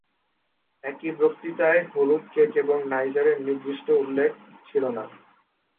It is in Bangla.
এই বক্তৃতায় হলুদ কেক এবং নাইজারের নির্দিষ্ট উল্লেখ ছিল না।